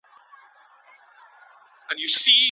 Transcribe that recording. زده کوونکو ته د کورني ژوند لارښوونې وکړئ.